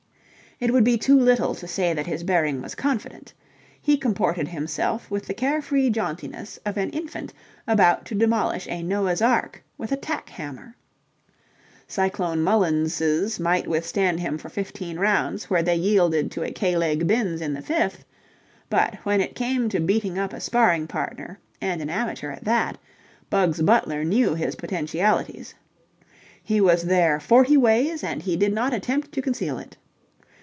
It would be too little to say that his bearing was confident: he comported himself with the care free jauntiness of an infant about to demolish a Noah's Ark with a tack hammer. Cyclone Mullinses might withstand him for fifteen rounds where they yielded to a K leg Binns in the fifth, but, when it came to beating up a sparring partner and an amateur at that, Bugs Butler knew his potentialities. He was there forty ways and he did not attempt to conceal it.